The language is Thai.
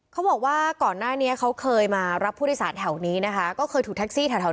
เขาบอกว่าก่อนหน้านี้เขาเคยมารับผู้โดยสารแถวนี้นะคะก็เคยถูกแท็กซี่แถวแถว